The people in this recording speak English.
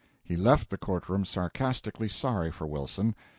He left the court room sarcastically sorry for Wilson.